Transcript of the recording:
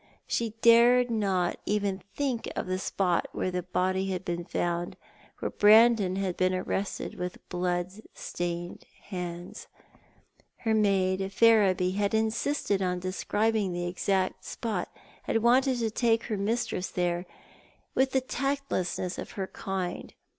She dared not even think of the spot where the body had been found, and where Brandon had been arrested, with blood stained hands. Her maid, Ferriby, had insisted on describing the exact spot, had wanted to take her mistress there, with the tactlessness of her kind.